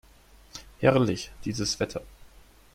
Herrlich, dieses Wetter!